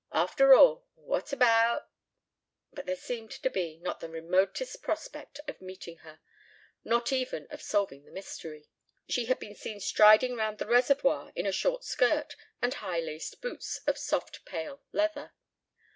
After all, what about ... But there seemed to be not the remotest prospect of meeting her, nor even of solving the mystery. She had been seen striding round the reservoir in a short skirt and high laced boots of soft pale leather.